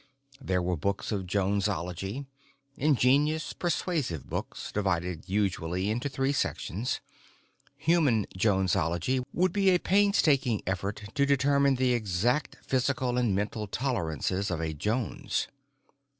There were books of Jonesology—ingenious, persuasive books divided usually into three sections. Human Jonesology would be a painstaking effort to determine the exact physical and mental tolerances of a Jones.